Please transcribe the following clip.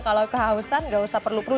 kalau kehausan gak usah perlu perlu